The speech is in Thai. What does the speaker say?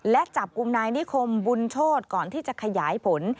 และจับกลุ่มนายนิคมบุญโชธก่อนที่จะขยายผล